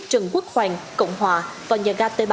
trần quốc hoàng cộng hòa và nhà ga t ba